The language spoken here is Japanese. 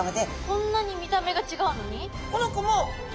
こんなに見た目がちがうのに？